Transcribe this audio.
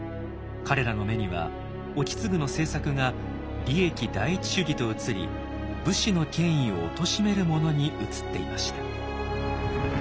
彼らの目には意次の政策が利益第一主義と映り武士の権威をおとしめるものに映っていました。